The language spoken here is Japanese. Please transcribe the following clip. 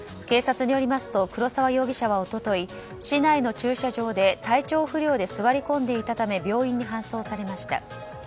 警察によりますと黒沢容疑者は一昨日市内の駐車場で体調不良で座り込んでいたため病院に搬送されました。